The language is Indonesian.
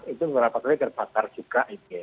itu berapa kali terbakar juga ini